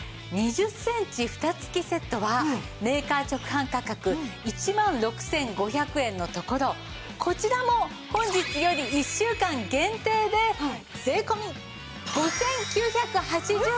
２０センチフタ付きセットはメーカー直販価格１万６５００円のところこちらも本日より１週間限定で税込５９８０円です。